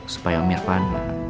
supaya om irfan